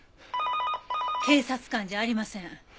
警察官じゃありません。